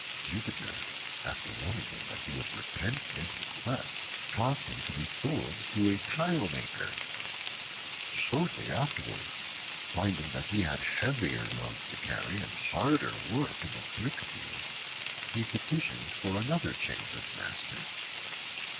Jupiter, after warning him that he would repent his request, caused him to be sold to a tile maker. Shortly afterwards, finding that he had heavier loads to carry and harder work in the brick field, he petitioned for another change of master.